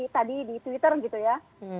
tadi di twitter gitu ya